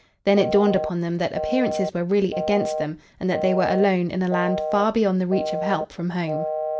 Then it dawned upon them that appearances were really against them, and that they were alone in a land far beyond the reach of help from home.